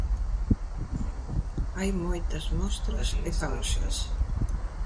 Hai moitas mostras e causas.